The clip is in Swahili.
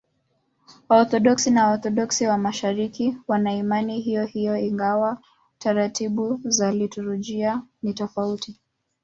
Waorthodoksi na Waorthodoksi wa Mashariki wana imani hiyohiyo, ingawa taratibu za liturujia ni tofauti.